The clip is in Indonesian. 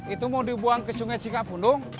itu mau dibuang ke sungai cikapundung